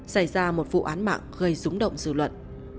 xảy ra một vụ án mạng gây rúng động dư luận